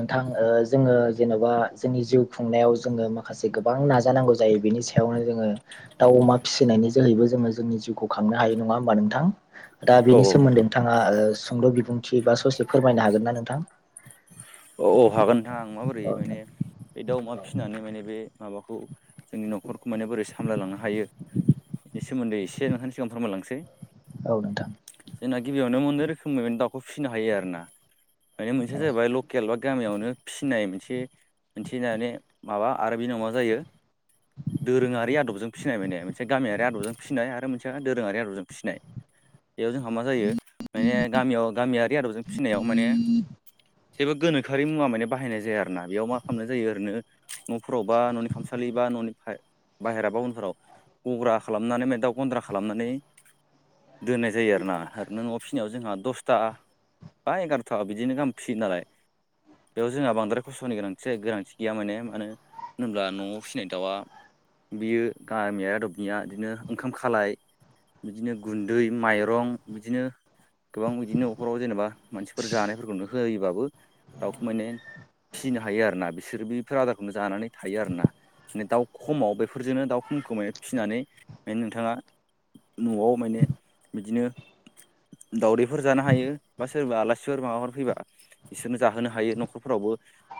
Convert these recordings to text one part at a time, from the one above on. नोंथां ओ जोङो जेन'बा जोंनि जिउ खुंनायाव जोङो माखासे गोबां नाजानांगौ जायो बेनि सायावनो जोङो दाउ अमा फिसिनायनि जोहैबो जोङो जोंनि जिउखौ खांनो हायो नङा होमबा नोंथां? दा औ बेनि औ नोंथां सोमोन्दै नोंथाङा ओ सुंद' बिबुंथि बा ससे फोरमायनो हागोन ना नोंथां? अ औ हागोन नोंथां आं माबोरै औ माने बे दाउ अमा फिसिनानै माने बे माबाखौ जोंनि न'खरखौ माने बोरै सामलायलांनो हायो। बेनि सोमोन्दै एसे नोंथांनि सिगाङाव फोरमायलांनोसै औ नोंथां जोंना गिबियावनो मोननै रोखोमनि माने दाउखौ फिसिनो हायो आरो ना माने मोनसेया औ जाहैबाय ल केल बा गामियावनो फिसिनाय मोनसे मोनसे माने माबा आरो बिनि उनाव मा जायो। दोरोङारि आदबजों फिसिनाय माने मोनसे गामियारि आदबजों फिसिनाय आरो मोनसेया दोरोङारि आदबजों फिसिनाय [inaudible] बेयाव जोंहा मा जायो माने गामियाव गामियारि आदबजों फिसिनायाव माने जेबो गोनोखोआरि मुवा माने बाहायनाय जाया आरो ना बेयाव मा खामनाय जायो ओरैनो न'फोराव बा न'नि खामसालि बा न'नि बाय बायाहेरा बा उनफोराव गग्रा खालामनानै ओमफाय दाउ गन्द्रा खालामनानै दोननाय जायो आरोना ओरैनो न'आव फिसिनायाव जोंहा दसथा बा एगार'था बिदिनो गाहाम फिसियो नालाय। [inaudible] बेयाव जोंहा बांद्राय खसथ'नि गोनांथि जाया गोनांथि गैया माने मानो होनोब्ला नआव फिसिनाय दाउआ बियो गामिया आदबनिया बिदिनो ओंखाम खालाय बिदिनो गुन्दै माइरं बिदिनो गोबां बिदिनो न'खराव जेनेबा मानसिफोर जानायफोरखौनो होयोबाबो दाउखौ माने फिसिनो हायो आरो ना बिसोरो बेफोर आदारखौनो जानानै थायो आरोना माने दाउ खमाव बेफोरजोंनो दाउ खमखौ माने फिसिनानै माने नोंथाङा न'आव माने बिदिनो दाउदैफोर जानो हायो बा सोरबा आलासिफोर माबाफोर फैबा बिसोरनो जाहोनो हायो न'खरफोरावबो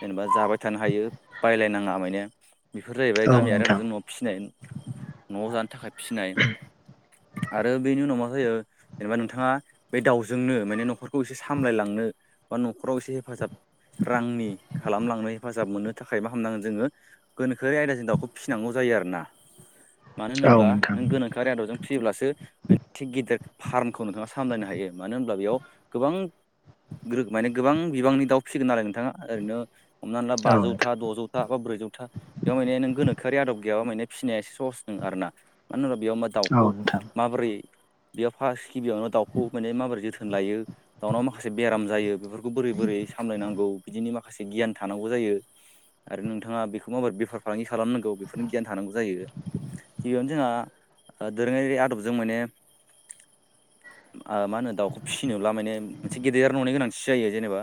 जेनेबा जाबाय थानो हायो बायलायनाङा मायने बेफोर जाहैबाय औ गामियारि नोंथां आदबजों फिसिनाय न'आव जानो थाखाय फिसिनाय आरो बेनि उनाव मा जायो जेनेबा नोंथाङा बे दाउजोंनो माने न'खरखौ एसे सामलायलांनो बा न'खराव एसे हेफाजाब रांनि खालामलांनो हेफाजाब मोननो थाखाय मा खालामनांगोन जोङो गोनोखोयारि आयदाजों दाउखौ फिसिनांगौ जायो। आरो ना [inaudible] मानो होनोब्ला नोंथां नों गोनखोआरि आदबजों फि सियोब्लासो माने थिग गिदिर फार्मखौ नोंथाङा सामलायनो हायो मानो होनब्ला बेयाव गोबां ग्रो माने गोबां बिबांनि दाउ फिसिगोन नालाय नोंथाङा ओरैनो हमनानै ला औ नोंथां बाजौथा द'जौ ता बा ब्रैजौथा बेयाव माने नों गोनोखोआरि आदब गैयाब माने फिसिनाया एसे सहस नोङा आरोना मानो होनोबा बेयाव औ दाउखौ नोंथां माबोरै बेयाव फार्स्ट गिबियावनो दाउखौ माने माबोरै जोथोन लायो दाउनाव माखासे बेराम जायो। बेफोर खौ बोरै बोरै सामलायनांगौ बिदिनि माखासे गियान थानांगौ जायो। आरो नोंथाङा बेखौ माबोरै बेफार फालांगि खालामनांगौ बेफोरनि गियान थानांगौ जायो। गिबियावनो जोंहा ओ दोरोङारि आदबजों माने ओ मा होनो दाउखौ फिसिनोब्ला माने मोनसे गेदेर ननि गोनांथि जायो जेनेबा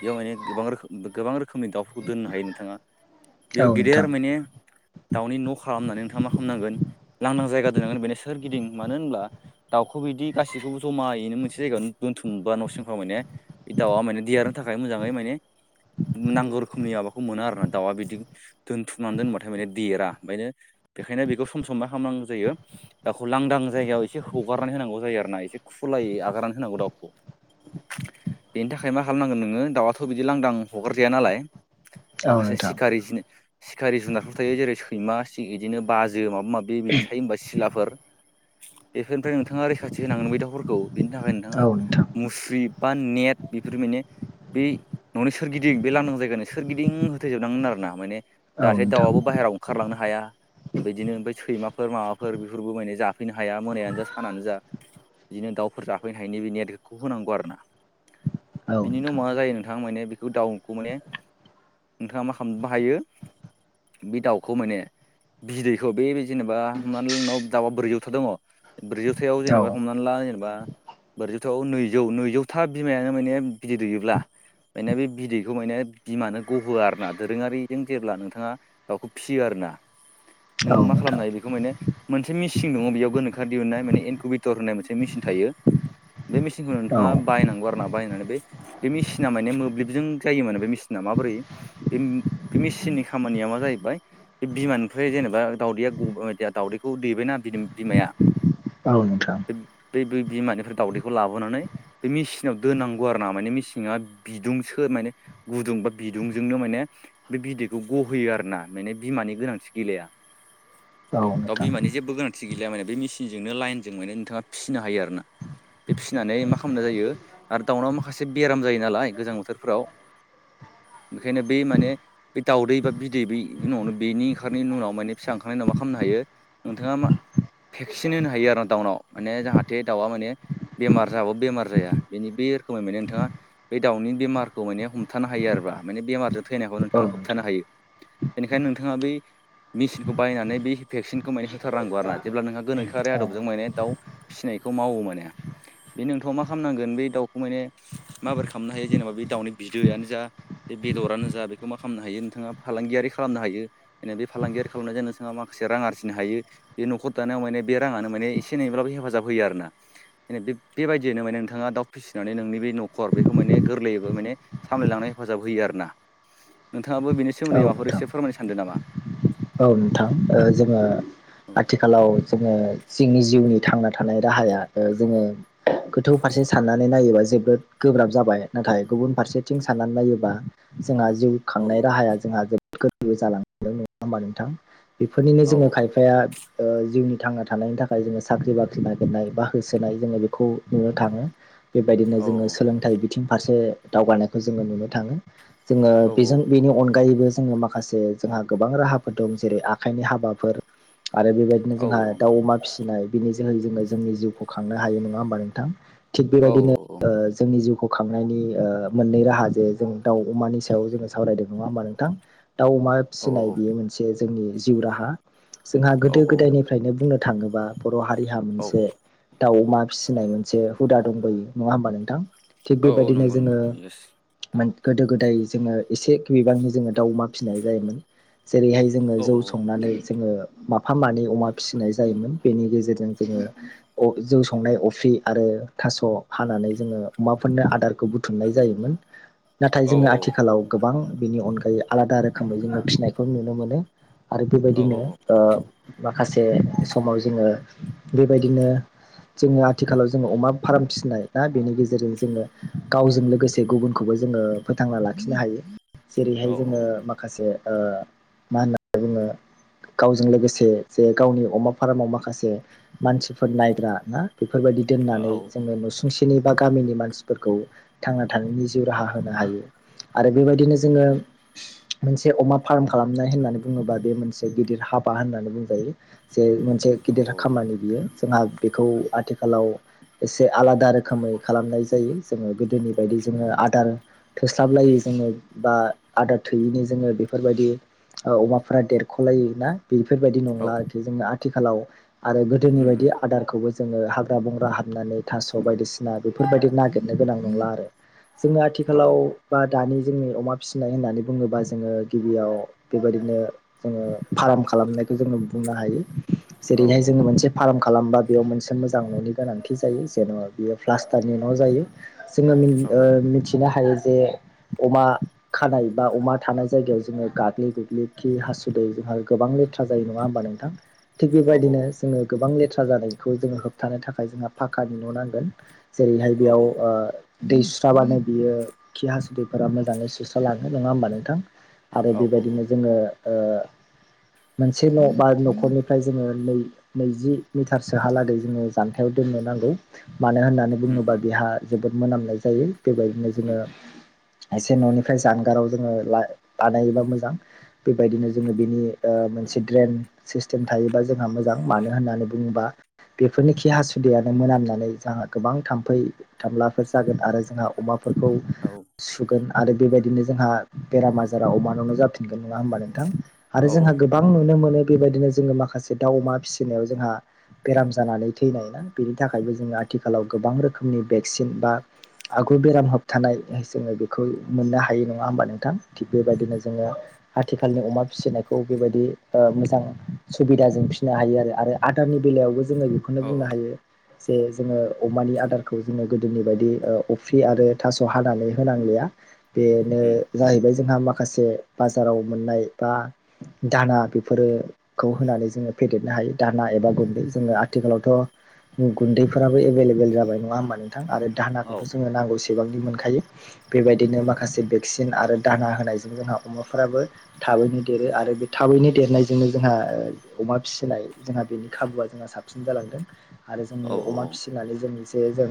बेयाव माने गोबां रोखोम गोबां रोखोमनि दाउफोरखौ दोननो हायो नोंथाङा औ नोंथां बेयाव औ गेदेर नोंथां माने दाउनि न' खालामनानै नोंथाङा मा खामनांगोन लांदां जायगा दोननांगोन बेनो सोरगिदिं मानो होनब्ला दाउखौ बिदि गासिखौबो ज'मायैनो मोनसे जायगायावनो दोन्थुमबा न' सिंफ्राव माने बे दाउआ माने देरनो थाखाय मोजाङै माने नांगौ रोखोमनि माबाखौ मोनो आरोना दाउआ बिदि दोनथुमनानै दोनबाथाय माने देरा ओंखायनो बेखायनो बेखौ सम सम मा खालामनांगौ जायो दाउखौ लांदां जायगायाव एसे हगारनानै होनांगौ जायो आरो ना एसे खुलायै आगारानै होनांगौ दावखौ [inaudible] बेनि थाखाय मा खालामनांगोन नोङो दाउआाथ' बिदि लांदां हगारजाया नालाय। औ माखासे नोंथां सिखारि जि सिखारि जुनारफोर थायो जेरै सैमा इदिनो बाजो माबा माबि बे बिदि थायो होनबा सिलाफोर बेफोरनिफ्राय नोंथाङा रैखाथि होनांगोन बे दाउफोरखौ बेनि थाखाय औ नोंथाङा नोंथां मुस्रि बा नेट बेफोर माने बै न'नि सोरगिदिं बे लांदां जायगानि सोरगिदिं होथेजोबनांगोन आरो ना माने औ जाहाथे नोंथां दाउआबो बायहेराव ओंखारलांनो हा हाया बिदिनो ओमफ्राय सैमाफोर माबाफोर बेफोरबो माने जाफैनो हाया मोनायानो जा सानानो जा बिदिनो दाउफोर जाफैनो हायोनि बे नेटखौ होनांगौ आरो ना। औ औ बिनि उनाव नोंथां मा जायो नोंथां माने बेखौ दाउखौ माने नोंथाङा मा खालामनोबो हायो बे दाउखौ माने बिदैखौ बे जेनेबा हमनानै ला नोंनाव दावा ब्रैजौथा दङ ब्रैजौथायाव औ जेनेबा हमनानै ला जेनेबा ब्रैजौथाव नैजौ नैजौथा बिमायानो माने बिदै दैयोब्ला माने बे बिदैखौ माने बिमानो गहोआ आरो ना दोरोङारिजों जेब्ला नोंथाङा दाउखौ फिसियो आरो। ना औ नोङो मा नोंथां खालामनो हायो बेखौ माने मोनसे मेचिन दङ बेयाव गोनोखोआरि दिहुननाय माने एनकुबटर होननाय मोनसे मेसिन थायो बे मेसिनखौ नोंथाङा औ बायनांगौ। बायनानै बे मेसिना मोब्लिबजों जायो माने बे मेसिना माबोरै बे मे मेसिननि खामानिया मा जाहैबाय बे बिमानिफ्राय जेनेबा दाउदैया गबाय दावदैखौ दैबायना बि बिमाया औ नोथां बे बे बिमानिफ्राय दावदैखौ लाबोनानै बे मिसिन नाव दोननांगौ आरो ना माने मेसिङा माने बिदुंसो माने गुदुं बा बिदुंजोंनो माने बे बिदैखौ गहोयो आरो ना माने बिमानि गोनांथि गैलाया। औ दाउ नोथां बिमानि जेबो गोनांथि गैलिया माने बे मेसिनजोंनो लाइनजों माने नोंथाङा फिसिनो हायो आरो ना। बे फिसिनानै मा खालामनाय जायो आरो दाउनाव माखासे बेराम जायो नालाय गोजां बोथोरफ्राव [inaudible] ओंखायनो बे माने बे दाावदै बा बिदै बै उनावनो बेनि ओंखारनायनि उनाव माने फिसा ओंखारनायनि उनाव मा खालामनो हायो। नोंथाङा मा भेक्सिन होनो हायो आरो ना दाउनाव माने जाहाथे दाउआ माने बेमार जाबाबो बेमार जाया। बेनि बे रोखोमै माने नोंथाङा बे दाउनि बेमारखौ माने हमथानो हायो आरोबा माने बेमारजों थैनायखौ नोंथाङा नोंथां होबथानो हायो। बेनिखायनो नोंथाङा बै मेसिनखौ बायनानै बे भेक्सिनखौ माने होथारनांगौ आरो ना जेब्ला नोंहा गोनोखोआरि औ आदबजों माने दाउ फिसिनाय खौ मावो माने बे नोंथ' मा खालामनांगोन। बे दाउखौ माने माबोरै खालामनो हायो जेनेबा बे दाउनि बिदैआनो जा बे बेदरानो जा बेखौ मा खालामनो हायो नोंथाङा फालांगियारि खालामनो हायो जेनै बे फालांगियारि खालामनायजों नोंथाङा माखासे रां आरजिनो हायो। बे न'खर दानायाव माने बे राङानो माने एसे एनैब्लाबो हेफाजाब होयो आरोना बेबायदियनो माने नोंथां नोंथाङा दाउ फिसिनानै नोंनि बे न'खर बेखौ माने गोरलैयैबो माने सामलायलांनाय हेफाजाब होयो आरो ना। [inaudible] नोंथाङाबो बेनि सोमोनदै औ माबाफोर नोंथां एसे फोरमायनो सानदों नामा? औ नोंथां जोङो आथिखालाव जोङो जोंनि जिउनि थांना थानाय राहाया जोङो गोथौ फारसे साननानै नायोबा जोबोद गोब्राब जाबाय नाथाय गुबुन फारसेथिं साननानै नायोबा जोंहा जिउ औ खांनाय राहाया जोंहा जोबोद गोरलैबो जालांदों नङा होनबा नोंथां? बेफोरनिनो औ जोङो खायफाया ओ जिउनि थांना थानायनि थाखाय जोङो साख्रि बाख्रि नागिरनाय बा होसोनाय जोङो बेखौ नुनो थाङो। बेबायदिनो औ जोङो सोलोंथाइ बिथिं फारसे दावगानायखौ जोङो नुनो थाङो। जोङो औ बेजों बेनि अनगायैबो जोङो माखासे जोंहा गोबां राहाफोर दं जेरै आखाइनि हाबाफोर आरो बेबायदिनो औ जोंहा दाउ अमा फिसि नाय बिनि जोहै जोङो जोंनि जिउखौ खांनो हायो नङा होमबा नोंथां थिग ओ औ बेबायदिनो जोंनि जिउखौ खांनायनि ओ मोननै राहा जे जों दाउ अमानि सायाव जों सावरायदों नङा होमबा नोंथां दाउ अमा औ फिनाय बेयो मोनसे जोंनि जिउ राहा जोंहा औ गोदो गोदायनिफ्रायनो बुंनो थाङोबा बर' हारिहा औ मोनसे दाउ अमा फिसिनाय मोनसे हुदा दंबोयो नङा होमबा नोंथां? थिग औ औ बेबायदिनो नंगौ नंगौ जोङो येस गोदो गोदाय जोङो एसे बिबांनि जोङो दाउ अमा फिसिनाय जायोमोन। जेरैहाय जोङो औ जौ संनानै जोङो माफा मानै अमा फिसिनाय जायोमोन बेनि गेजेरजों जोङो जौ संनाय अफ्रि आरो थास' हानानै जोङो अमाफोरनो आदारखौ बुथुमनाय जायोमोन। नाथाय औ जोङो आथिखालाव गोबां बिनि अनगायै आलादा रोखोमै जोङो फिसिनायखौ नुनो मोनो। आरो औ बेबायदिनो औ औ ओ माखासे समाव जोङो बेबायदिनो जोङो आथिखालाव जोङो अमा फार्म फिसिनाय ना बेनि गेजेरजों जोङो गावजों लोगोसे गुबुनखौबो जोङो फोथांना लाखिनो हायो। औ जेरैहाय जोङो माखासे ओ मा होननानै बुङो? गावजों लोगोसे जे गावनि अमा फार्माव माखासे मानसिफोर नायग्रा ना बेफोरबायदि औ दोननानै जोङो नुसुंसे नि बा गामिनि मानसिफोरखौ थांना थानायनि जिउ राहा होनो हायो। आरो बेबायदिनो जोङो मोनसे अमा फार्म खालामनाय होननानै बुङोबा बे मोनसे गिदिर हाबा होननानै बुंजायो। जे मोनसे गिदिर औ खामानि बियो जोंहा बेखौ आथिखालाव एसे आलादा रोखोमै खालामनाय जायो जोङो गोदोनि बायदि जोङो आदार थोस्लाबलायै जोङो बा आदार थोयैनि जोङो बे- फोरबायदि ओ अमाफोरा देरख'लायि ना बेफोरबायदि औ नंला आरोखि जोंना आथिखालाव आरो गोदोनि उम उम बायदि आदारखौबो जोङो हाग्रा बंग्रा हाबनानै थास' बायदिसिना बेफोरबायदि नागिरनो गोनां नंला आरो। जोङो औ आथिखालाव बा दानि जोंनि अमा फिसिनाय होननानै बुङोबा जोङो गिबियाव बेबायदिनो जोङो फार्म खालामनायखौ जोङो बुंनो हायो। औ जेरैहाय जोङो मोनसे फार्म खालामबा बेयाव मोनसे मोजां न'नि गोनांथि जायो जेन'बा बेयो प्लास- ष्टारनि न' जायो जोङो मिन औ ओ मिथिनो हायो। जे अमा खानाय बा अमा थानाय जायगायाव जोङो गाग्लि गुग्लि खि हासुदै जोंहा गोबां लेथ्रा जायो नङा होमबा नोंथां? थिग औ बेबायदिनो जोङो गोबां लेथ्रा जानायखौ जोङो होबथानो थाखाय जोंहा फाखानि न' नांगोन जेरैहाय औ बेयाव ओ दै सुस्राबानो बियो खि हासुदैफोरा मोजाङै सुस्रालाङो नङा होमबा नोंथां? आरो औ बेबायदिनो जोङो ओ मोनसे न' बा न'खरनिफ्राय जोङो नै नैजि मिटारसोहालागै जोङो जानथायाव दोननो नांगौ मानो होननानै उम बुङोबा बेहा जोबोद मोनामनाय जायो बेबायदिनो उम जोङो एसे न'निफ्राय जानगाराव जोङो ला बानायोबा मोजां बेबायदिनो जोङो बिनि ओ मोनसे ग्रेन सिस्टेम थायोबा जोंहा मोजां मानो होननानै बुङोबा बेफोरनि खि हासुदैयानो मोनामनानै जोंहा गोबां थामफै थामलाफोर जागोन आरो जोंहा अमा फोरखौ औ सुगोन आरो बेबायदिनो जोंहा बेराम आजारा अमानावनो जाफिन- गोन नङा होमबा नोंथां औ उम औ आरो जोंहा गोबां नुनो मोनो बेबायदिनो जोङो माखासे दाउ अमा फिसिनायाव जोंहा बेराम जानानै थैनाय ना बेनि थाखायबो जोङो आथिखालाव गोबां रोखोमनि भेक्सिन बा आगु बेराम होबथानाय जोङो बेखौ मोननो हायो नङा होमबा नोंथां थिग बेबायदिनो जोङो आथिखालनि अमा फिसिनायखौ बेबायदि ओ मोजां सुबिदा जों फिसिनो हायो आरो आदारनि बेलायावबो जोङो बेखौनो औ औ औ बुंनो हायो जे जोङो अमानि आदारखौ जोङो गो- दोनिबायदि ओ अफ्रि आरो थास' हानानै होनांलिया बेनो जाहैबाय जोंहा माखासे बाजाराव मोननाय बा दाना बेफोरो खौ होनानै जोङो फेदेरनो हायो दाना एबा गुन्दै जोङो आथिखालावथ' गुन्दैफोरा- बो एभेलेबेल जाबाय नङा होमबा नोंथां आरो दाहानाखौथ' जोङो नांगौसेबांनि मोनखायो बेबायदिनो माखासे बेक्सिन आरो दाना होनायजों जोंहा अमाफोराबो थाबैनो देरो आरो बे थाबैनो देरनायजोंनो जोंहा ओ अमा फिसिनाय जोंहा बेनि खाबुआ जोंहा साबसिन जालांदों आरो जोंनि अमा फिसिनानै जोंनि जे जों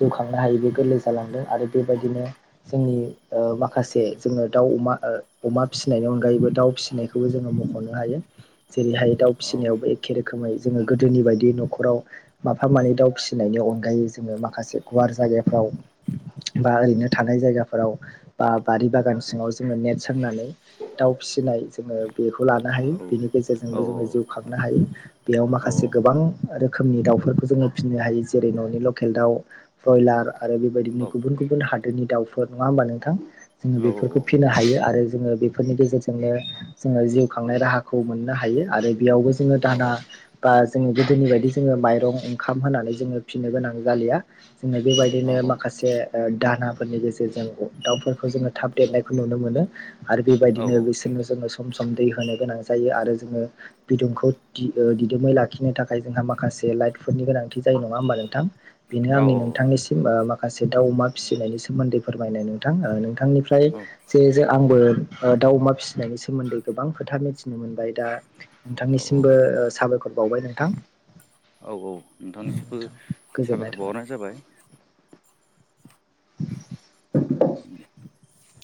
जौखांनो हायै बे गोरलै जालांदों आरो बेबायदिनो जोंनि ओ माखासे जोङो दाउ अमा ओ अमा फिसिनायनि अनगायैबो दाउ फिसिनायखौबो जोङो मुख'नो हायो जेरैहाय दाउ फिसिनायावबो एखे रोखोमै जोङो गोदोनि बायदि न'खराव माफा मानै दाउ फिसिनायनि अनगायै जोङो माखासे गुवार जायगाफ्राव बा ओरैनो थानाय जायागाफोराव बा बारि बागान- गान सिङाव जोङो नेट सोंनानै दाउ फिसिनाय जोङो बेखौ लानो औ हायो बेनि गेजेरजोंबो जोङो जिउ खांनो हायो बेयाव माखासे गोबां रो- खोमनि दाउफोरखौ जोङो फिनो हायो जेरै न'नि लकेल दाउ ब्रयलार आरो बेबायदिनो गुबुन गुबुन हादोरनि दाउफोर नङा होमबा नोंथां जोङो बेफोरखौ फिनो हायो आरो जोङो बेफोरनि गेजेरजोंनो जोङो जिउ खांनाय राहाखौ मोननो हायो आरो बेयावबो दाना बा जोङो गोदोनि बायदि जोङो माइरं ओंखाम होनानै जोङो फिनो गोनां जालिया जोङो बेबायदिनो माखासे दाहोनाफोरनि गेजेरजों दाउफोरखौ जोङो थाब देरनायखौ नुनो मोनो आरो बेबायदिनो बिसोरनो जोङो सम दै होनो गोनां जायो आरो जोङो बिदुंखौ दिदोमै लाखिनो थाखाय जोंहा माखासे लाइतफोरनि गोनांथि जायो नङा होमबा नोंथां बेनो आंनि नोंथांनिसिम माखासे दाउ अमा फिसिनायनि सोमोन्दै फोरमायनाय नोंथां नोंथांनि फ्राय जे जे आंबो दाउ अमा फिसिनायनि सोमोन्दै गोबां खोथा मिथिनो मोनबाय दा नोंथांनिसिमबो साबायखर बावबाय नोंथां औ औ नोंथांनिसिबो गोजोननाय साबायखर थाबाय बावहरनाय जाबाय [inaudible]